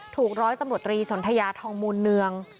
ร้อยตำรวจตรีสนทยาทองมูลเนือง